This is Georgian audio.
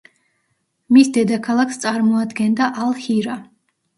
მის დედაქალაქს წარმოადგენდა ალ-ჰირა.